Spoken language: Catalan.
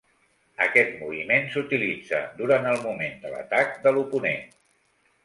Aquest moviment s"utilitza durant el moment de l"atac de l"oponent.